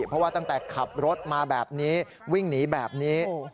เพราะว่าตั้งแต่ขับรถมาแบบนี้วิ่งหนีแบบนี้